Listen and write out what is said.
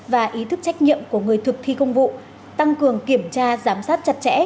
và ý thức trách nhiệm của người thực thi công vụ tăng cường kiểm tra giám sát chặt chẽ